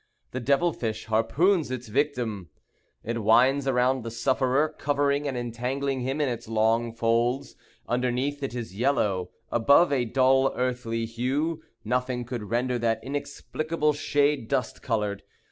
The devil fish harpoons its victim. It winds around the sufferer, covering and entangling him in its long folds. Underneath it is yellow; above a dull, earthy hue; nothing could render that inexplicable shade dust colored.